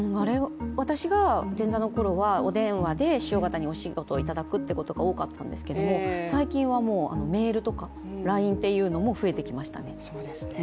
私が前座のころはお電話で師匠方にお仕事をいただくことが多かったんですけど、最近はメールとかＬＩＮＥというのも増えてきましたね。